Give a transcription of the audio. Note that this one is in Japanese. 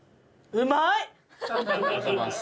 うまい！